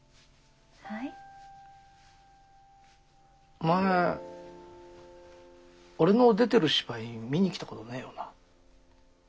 お前俺の出てる芝居見に来たことねえよな。